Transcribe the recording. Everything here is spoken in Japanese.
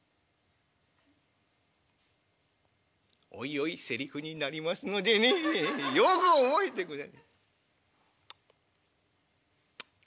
「おいおいセリフになりますのでねよく覚えてください」。